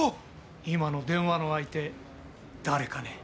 今の電話の相手誰かね？